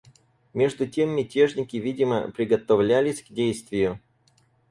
Между тем мятежники, видимо, приготовлялись к действию.